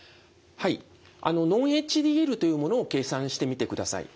はいｎｏｎ−ＨＤＬというものを計算してみてください。